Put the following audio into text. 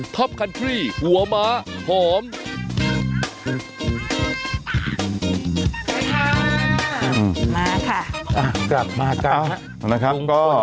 กลับมากับลุงพลกันซะหน่อยนะครับ